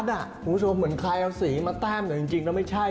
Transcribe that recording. คุณผู้ชมเหมือนใครเอาสีมาแต้งแต่จริงไม่ใช่